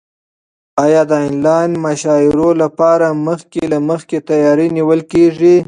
ایا د انلاین مشاعرو لپاره مخکې له مخکې تیاری نیول کیږي؟